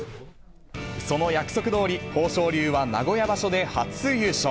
その約束どおり、豊昇龍は名古屋場所で初優勝。